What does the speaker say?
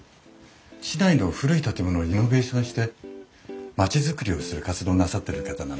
市内の古い建物をリノベーションして町づくりをする活動をなさってる方なんですよ。